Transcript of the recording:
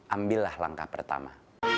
ambillah langkah pertama